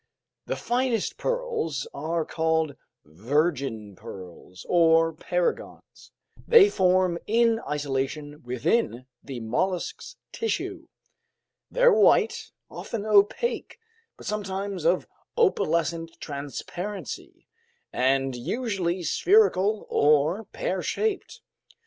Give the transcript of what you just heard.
The finest pearls are called virgin pearls, or paragons; they form in isolation within the mollusk's tissue. They're white, often opaque but sometimes of opalescent transparency, and usually spherical or pear shaped.